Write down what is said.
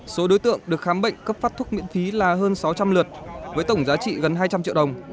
số đối tượng được khám bệnh cấp phát thuốc miễn phí là hơn sáu trăm linh lượt với tổng giá trị gần hai trăm linh triệu đồng